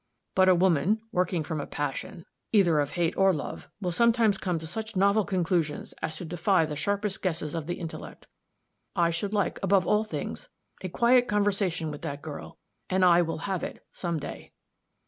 But a woman, working from a passion, either of hate or love, will sometimes come to such novel conclusions as to defy the sharpest guesses of the intellect. I should like, above all things, a quiet conversation with that girl. And I will have it, some day."